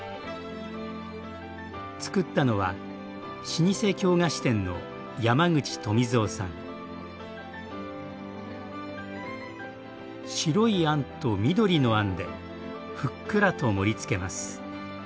つくったのは老舗京菓子店の白いあんと緑のあんでふっくらと盛りつけます。